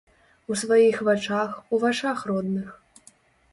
У сваіх вачах, у вачах родных.